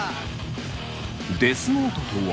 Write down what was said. デスノートとは？